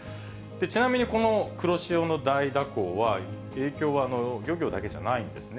ちなみにこの黒潮の大蛇行は、影響は漁業だけじゃないんですね。